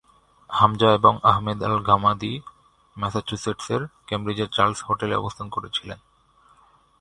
হামজা এবং Ahmed al Ghamdi Massachusetts এর কেমব্রিজের চার্লস হোটেলে অবস্থান করেছিলেন।